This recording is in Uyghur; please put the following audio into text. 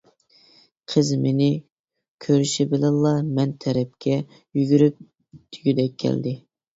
قىز مېنى كۆرۈشى بىلەنلا مەن تەرەپكە يۈگۈرۈپ دېگۈدەك كەلدى.